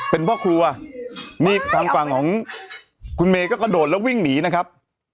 เป็นพ่อครัวนี่ทางฝั่งของคุณเมย์ก็กระโดดแล้ววิ่งหนีนะครับ